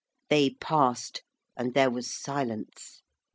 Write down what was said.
They passed and there was silence.